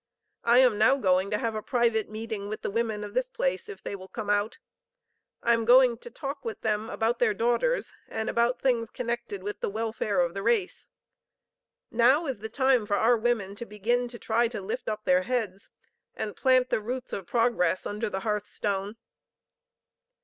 I am now going to have a private meeting with the women of this place if they will come out. I am going to talk with them about their daughters, and about things connected with the welfare of the race. Now is the time for our women to begin to try to lift up their heads and plant the roots of progress under the hearthstone.